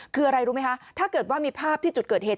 คืออะไรรู้ไหมคะถ้าเกิดว่ามีภาพที่จุดเกิดเหตุ